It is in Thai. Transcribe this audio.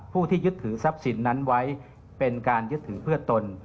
ผู้ที่ยึดถือทรัพย์สินนั้นไว้เป็นการยึดถือเพื่อตน